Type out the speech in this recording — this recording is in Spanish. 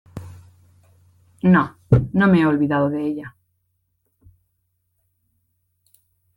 no, no me he olvidado de ella